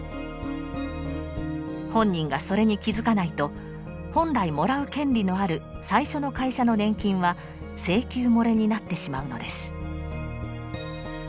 本人がそれに気付かないと本来もらう権利のある最初の会社の年金は「請求もれ」になってしまうのです。